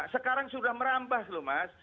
sekarang sudah merambah loh mas